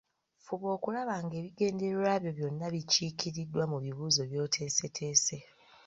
Fuba okulaba ng’ebigendererwa byo byonna bikiikiriddwa mu bibuuzo by’oteeseteese